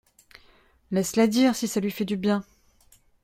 Laisse-la dire, si ça lui fait du bien.